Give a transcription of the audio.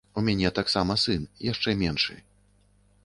У мяне таксама сын, яшчэ меншы.